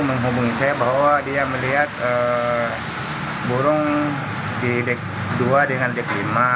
menghubungi saya bahwa dia melihat burung di dek dua dengan dek lima